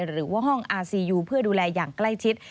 หรือว่าห้องอาซียูเพื่อดูแลอย่างใกล้ชิด